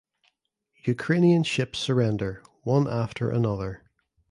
Ukrainian ships surrender one after another.